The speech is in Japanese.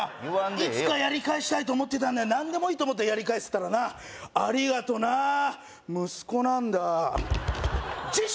いつかやり返したいと思ってた何でもいいと思ったやり返せたらなありがとな息子なんだ次週！